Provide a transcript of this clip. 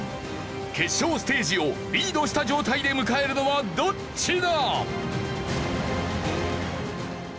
決勝ステージをリードした状態で迎えるのはどっちだ？